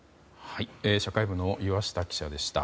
社会部の岩下記者でした。